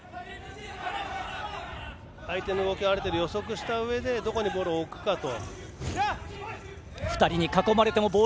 相手の動きをある程度予測したうえでどこにボールを置くかと。